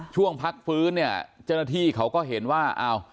ช่วงพักฟื้นเจ้าหน้าที่เขาก็เห็นว่า